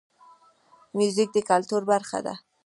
موزیک د کلتور برخه ده.